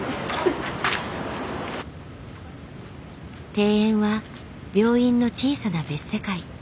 庭園は病院の小さな別世界。